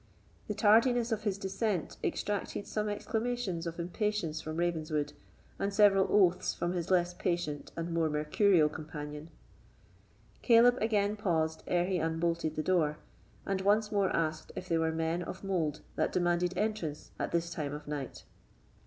The tardiness of his descent extracted some exclamations of impatience from Ravenswood, and several oaths from his less patient and more mecurial companion. Caleb again paused ere he unbolted the door, and once more asked if they were men of mould that demanded entrance at this time of night.